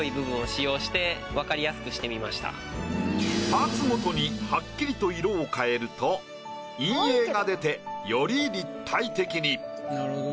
パーツごとにはっきりと色を変えると陰影が出てより立体的に。